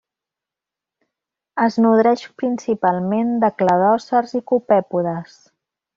Es nodreix principalment de cladòcers i copèpodes.